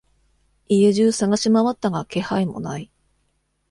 家中探しまわったが気配もない。